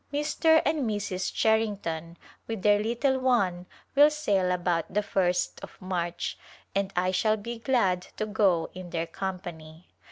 Mr. and Mrs. Cherington with their little one will sail about the ist of March and I shall be glad to go in their company.